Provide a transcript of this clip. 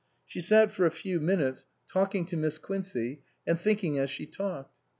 She sat for a few minutes talking to 237 SUPERSEDED Miss Quincey and thinking as she talked.